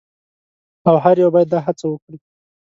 او هر یو باید دا هڅه وکړي.